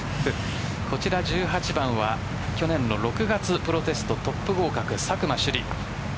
こちら１８番は去年の６月プロテストトップ合格、佐久間朱莉。